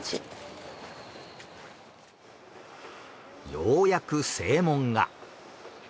ようやく正門が。